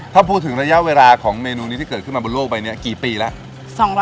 ถ้าพูดถึงระยะเวลาของเมนูนี้ที่เกิดขึ้นมาบนโลกใบนี้กี่ปีแล้ว